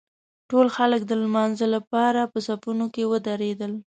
ټول خلک د لمانځه لپاره په صفونو کې ودرېدل.